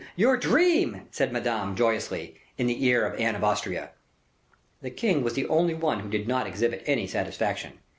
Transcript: your dream!" said Madame, joyously, in the ear of Anne of Austria. The king was the only one who did not exhibit any satisfaction.